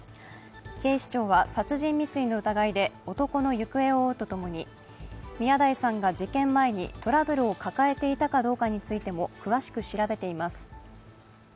警視庁は殺人未遂の疑いで男の行方を追うとともに宮台さんが事件前にトラブルを抱えていたかどうかについても詳しく調べています。